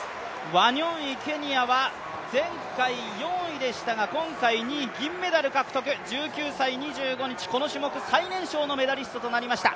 ワニョンイ、ケニアは前回４位でしたが、今回２位、銀メダル獲得、１９歳、この種目最年少のメダルとなりました。